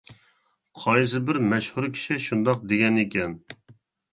قايسى بىر مەشھۇر كىشى شۇنداق دېگەن ئىكەن.